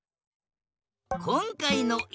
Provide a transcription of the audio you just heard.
こんかいのいろ